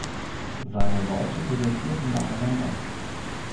Seine Leute desertierten nacheinander.